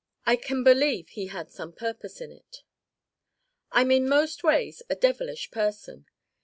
I can believe he had some Purpose in it. I'm in most ways a devilish person.